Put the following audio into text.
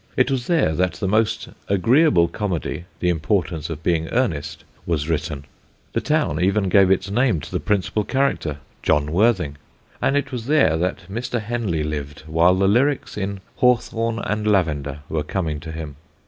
It was there that that most agreeable comedy The Importance of Being Earnest was written: the town even gave its name to the principal character John Worthing; and it was there that Mr. Henley lived while the lyrics in Hawthorn and Lavender were coming to him.